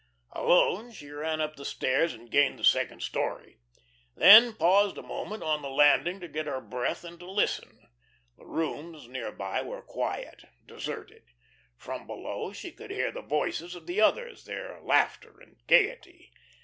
Alone she ran up the stairs, and gained the second story; then paused a moment on the landing to get her breath and to listen. The rooms near by were quiet, deserted. From below she could hear the voices of the others their laughter and gaiety.